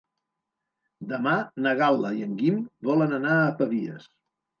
Demà na Gal·la i en Guim volen anar a Pavies.